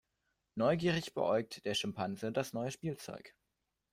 Neugierig beäugt der Schimpanse das neue Spielzeug.